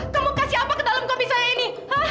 kamu kasih apa ke dalam kopi saya ini